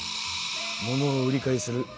物を売り買いする